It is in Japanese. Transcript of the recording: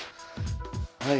はい。